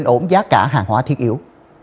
ổn giá cả hàng hóa thiết yếu